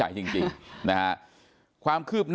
อันนี้แม่งอียางเนี่ย